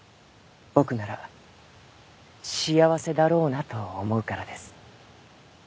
僕なら幸せだろうなと思うからです。